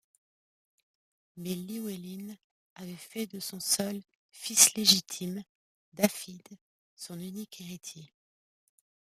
Mais Llywelyn avait fait de son seul fils légitime, Dafydd, son unique héritier.